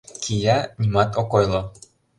Кия — нимат ок ойло.